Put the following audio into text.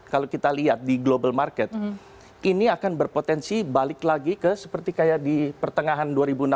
kalau kita lihat di global market ini akan berpotensi balik lagi ke seperti kayak di pertengahan dua ribu enam belas